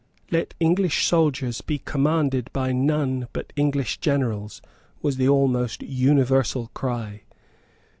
"Let English soldiers be commanded by none but English generals," was the almost universal cry.